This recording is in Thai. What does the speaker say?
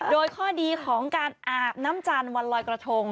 โดยข้อดีของการอาบน้ำจันทร์วันลอยกระทง